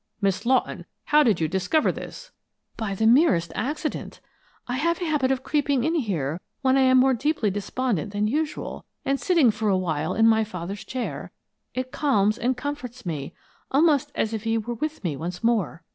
Miss Lawton, how did you discover this?" "By the merest accident. I have a habit of creeping in here, when I am more deeply despondent than usual, and sitting for a while in my father's chair. It calms and comforts me, almost as if he were with me once more.